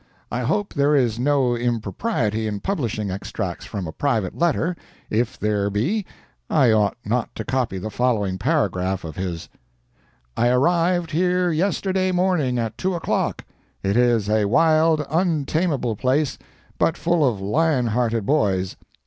I hope there is no impropriety in publishing extracts from a private letter—if there be, I ought not to copy the following paragraph of his: "I arrived here yesterday morning at 2 o'clock. It is a wild, untamable place, but full of lion hearted boys.